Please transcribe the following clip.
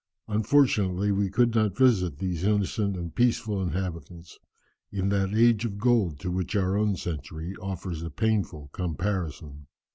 Unfortunately we could not visit these innocent and peaceable inhabitants in that age of gold to which our own century offers a painful comparison.